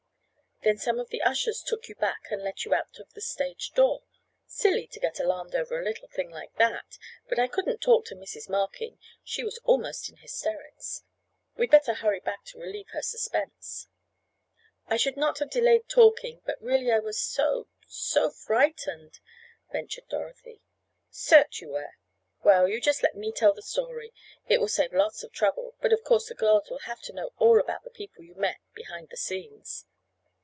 Then some of the ushers took you back and let you out of the stage door. Silly, to get alarmed over a little thing like that. But I couldn't talk to Mrs. Markin—she was almost in hysterics. We'd better hurry back to relieve her suspense." "I should not have delayed talking, but really I was so—so frightened," ventured Dorothy. "Cert you were. Well, you just let me tell the story. It will save lots of trouble, but of course the girls will have to know all about the people you met—behind the scenes."